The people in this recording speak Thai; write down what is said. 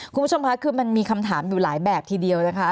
คุณผู้ชมค่ะคือมันมีคำถามอยู่หลายแบบทีเดียวนะคะ